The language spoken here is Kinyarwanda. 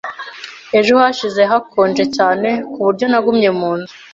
Ejo hashize hakonje cyane ku buryo nagumye mu nzu.